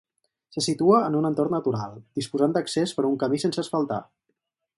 Se situa en un entorn natural, disposant d'accés per un camí sense asfaltar.